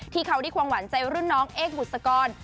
ที่เขาได้ควงหวานใจรุ่นน้องเอกบุษกร